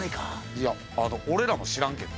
いやあの俺らも知らんけど。